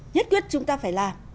nhất quyết chúng ta phải làm